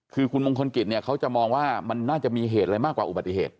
คือคุณมงคลกิจเนี่ยเขาจะมองว่ามันน่าจะมีเหตุอะไรมากกว่าอุบัติเหตุ